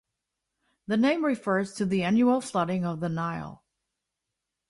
The name refers to the annual flooding of the Nile.